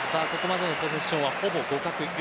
ここまでのポゼッションはほぼ互角。